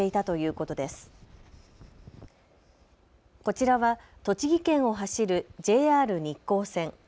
こちらは栃木県を走るＪＲ日光線。